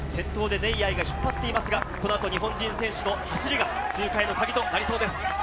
先頭でネイヤイが引っ張っていますが、このあと日本人選手の走りが通過へのカギとなりそうです。